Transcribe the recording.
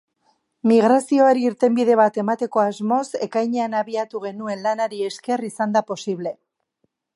Migrazioari irtenbide bat emateko asmoz ekainean abiatu genuen lanari esker izan da posible.